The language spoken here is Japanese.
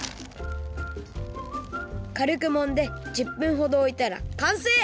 かるくもんで１０分ほどおいたらかんせい！